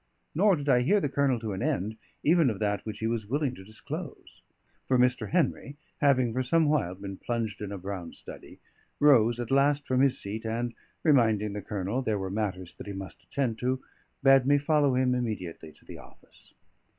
Nor did I hear the Colonel to an end even of that which he was willing to disclose; for Mr. Henry, having for some while been plunged in a brown study, rose at last from his seat and (reminding the Colonel there were matters that he must attend to) bade me follow him immediately to the office.